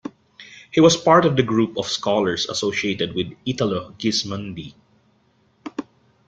He was part of the group of scholars associated with Italo Gismondi.